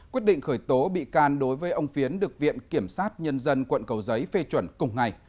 quyết định khởi tố bị can đối với ông phiến được viện kiểm sát nhân dân quận cầu giấy phê chuẩn cùng ngày